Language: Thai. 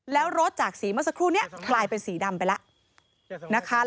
แล้วรถจากสีเมื่อสักครู่นี้กลายเป็นสีดำไปแล้วนะคะ